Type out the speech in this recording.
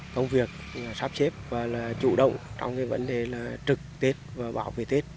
công việc sắp xếp và là chủ động trong cái vấn đề là trực tết và bảo vệ tết